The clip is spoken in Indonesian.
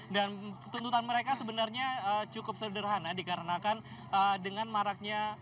dan tuntutan mereka sebenarnya cukup sederhana dikarenakan dengan maraknya